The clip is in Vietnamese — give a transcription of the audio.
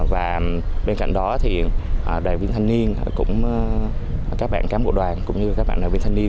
và bên cạnh đó thì đoàn viên thanh niên cũng các bạn cám bộ đoàn cũng như các bạn đoàn viên thanh niên